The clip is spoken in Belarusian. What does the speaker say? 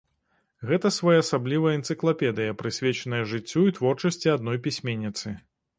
Гэта своеасаблівая энцыклапедыя, прысвечаная жыццю і творчасці адной пісьменніцы.